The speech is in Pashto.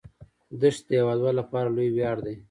دښتې د هیوادوالو لپاره لوی ویاړ دی.